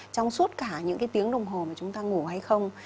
trong suốt cả những cái tiếng đồng hồ mà chúng ta ngủ hay không